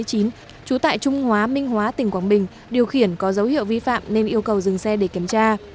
trú tại trung hóa minh hóa tỉnh quảng bình điều khiển có dấu hiệu vi phạm nên yêu cầu dừng xe để kiểm tra